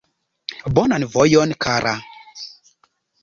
Bonan vojon, kara!